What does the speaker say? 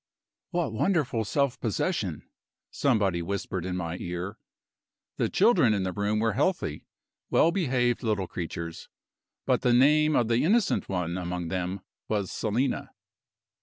"What wonderful self possession!" somebody whispered in my ear. The children in the room were healthy, well behaved little creatures but the name of the innocent one among them was Selina.